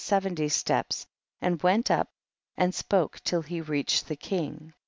seventy steps, and went up and spoke till he reached the king.